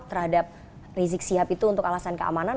terhadap rizik sihab itu untuk alasan keamanan